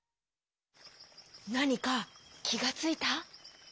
なにかきがついた？